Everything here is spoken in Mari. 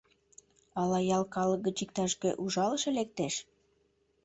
Ала ял калык гыч иктаж-кӧ ужалыше лектеш?